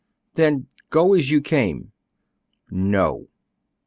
"Then go as you came." "No."